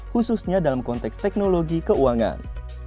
khususnya dalam konteks teknologi keuangan